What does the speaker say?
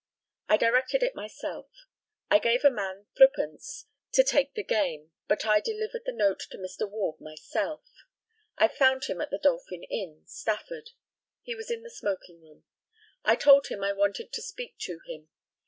I directed it myself. I gave a man 3d. to take the game, but I delivered the note to Mr. Ward myself. I found him at the Dolphin Inn, Stafford. He was in the smoking room. I told him I wanted to speak to him.